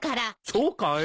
そうかい？